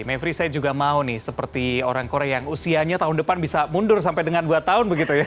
mevri saya juga mau nih seperti orang korea yang usianya tahun depan bisa mundur sampai dengan dua tahun begitu ya